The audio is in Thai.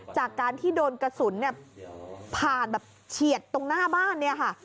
จากการที่โดนกระสุนเนี่ยผ่านแบบเฉียดตรงหน้าบ้านเนี่ยค่ะ